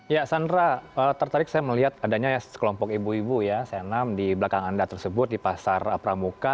ya sandra tertarik saya melihat adanya sekelompok ibu ibu ya senam di belakang anda tersebut di pasar pramuka